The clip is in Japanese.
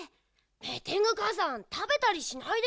メテングかあさんたべたりしないでよ。